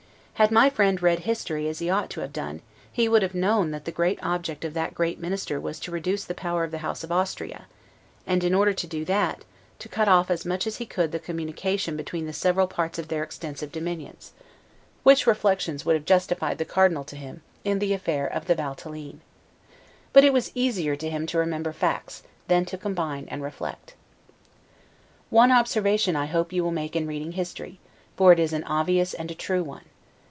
Had my friend read history as he ought to have done, he would have known that the great object of that great minister was to reduce the power of the House of Austria; and in order to that, to cut off as much as he could the communication between the several parts of their then extensive dominions; which reflections would have justified the Cardinal to him, in the affair of the Valtelline. But it was easier to him to remember facts, than to combine and reflect. One observation I hope you will make in reading history; for it is an obvious and a true one.